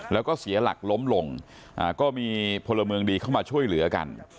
แล้วก็เสียหลักล้มลงก็มีพลเมืองดีเข้ามาช่วยเหลือกัน